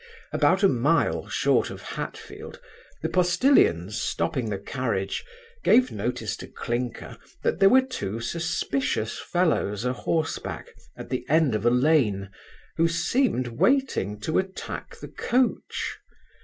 About a mile short of Hatfield, the postilions, stopping the carriage, gave notice to Clinker that there were two suspicious fellows a horseback, at the end of a lane, who semed waiting to attack the coach.